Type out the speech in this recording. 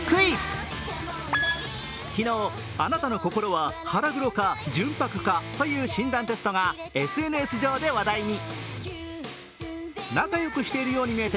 昨日、「あなたの心は腹黒か純白か」という診断テストがＳＮＳ上で話題に。